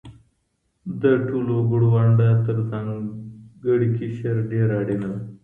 د ټولو وګړو ونډه تر ځانګړي قشر ډېره اړينه ده.